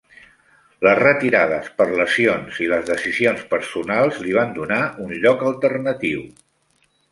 Les retirades per lesions i les decisions personals li van donar un lloc alternatiu.